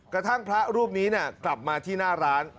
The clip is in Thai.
กระทั่งพระรูปนี้กลับมาที่หน้าร้าน